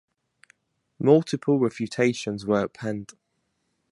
Multiple refutations were penned.